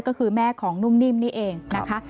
ก็คือแม่ของนุ่มนิ่มนี่เองนะคะ